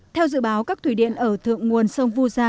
theo dự báo các thủy điện ở thượng nguồn sông vu gia